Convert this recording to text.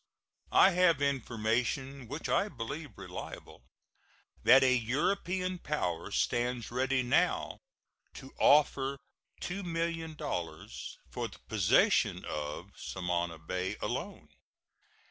I have information which I believe reliable that a European power stands ready now to offer $2,000,000 for the possession of Samana Bay alone.